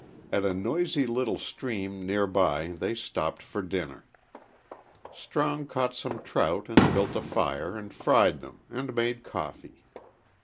At a noisy little stream near by they stopped for dinner. Strong caught some trout and built a fire and fried them, and made coffee.